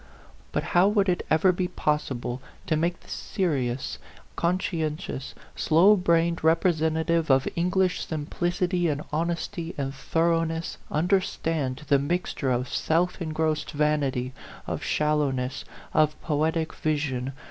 But how would it ever be possible to make this seri ous, conscientious, slow brained representa tive of English simplicity and honesty and thoroughness understand the mixture of self engrossed vanity, of shallowness, of poetic vision